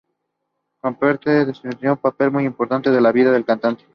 Carpenter desempeñó un papel muy importante en la vida de la cantante.